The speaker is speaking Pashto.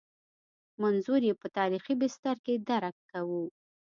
منظور یې په تاریخي بستر کې درک کوو.